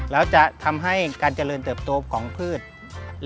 แล้วจะทำให้การเจริญเติบโตของพืช